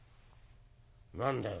「何だよ